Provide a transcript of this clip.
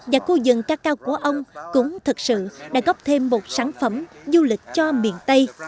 và khu rừng cacao của ông cũng thực sự đã góp thêm một sản phẩm du lịch cho miền tây